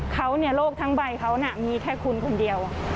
เขาโลกทั้งใบเขามีแค่คุณคนเดียว